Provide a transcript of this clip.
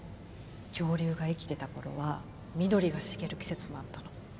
恐竜が生きてた頃は緑が茂る季節もあったの。